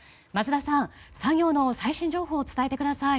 桝田さん、作業の最新情報を伝えてください。